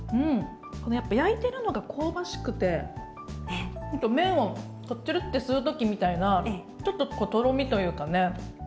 このやっぱ焼いてるのが香ばしくてちょっと麺をちゅるっと吸う時みたいなちょっととろみというかね。